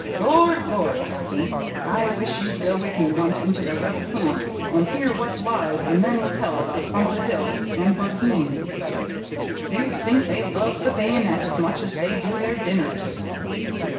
Lord! Lord! captain, I wish you'd go with me once into the rebel camp, and hear what lies the men will tell about Bunker Hill and Burg'yne; you'd think they loved the bayonet as much as they do their dinners."